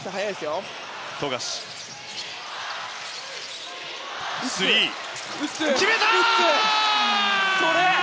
富樫、スリーを決めた！